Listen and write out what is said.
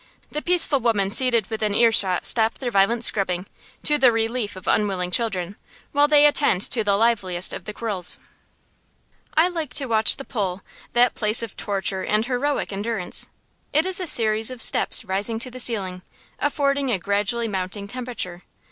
The peaceful women seated within earshot stop their violent scrubbing, to the relief of unwilling children, while they attend to the liveliest of the quarrels. I like to watch the poll, that place of torture and heroic endurance. It is a series of steps rising to the ceiling, affording a gradually mounting temperature.